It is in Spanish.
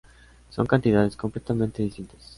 Son cantidades completamente distintas.